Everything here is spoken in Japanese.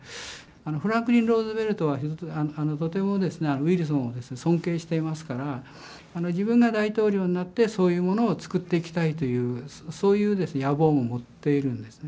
フランクリン・ルーズベルトはとてもウィルソンを尊敬していますから自分が大統領になってそういうものを作っていきたいというそういう野望も持っているんですね。